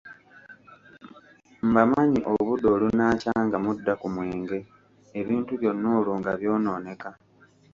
Mbamanyi obudde olunaakya nga mudda ku mwenge, ebintu byonna olwo nga byonooneka.